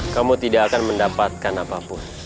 kamu tidak akan mendapatkan apapun